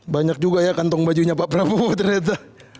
banyak juga ya kantong bajunya pak prabowo ternyata